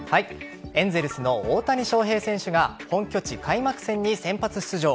エンゼルスの大谷翔平選手が本拠地開幕戦に先発出場。